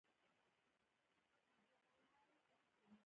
کله چې عملیات بریالي نه وي ټول مډالونه بېرته ترې اخلي.